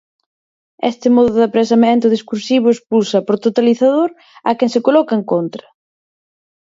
Este modo de apresamento discursivo expulsa, por totalizador, a quen se coloca en contra.